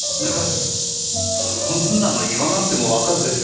そんなの言わなくてもわかるでしょ。